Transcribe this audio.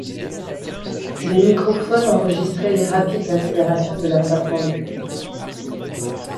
Des microphones enregistraient les rapides accélérations de leurs battements de cœur.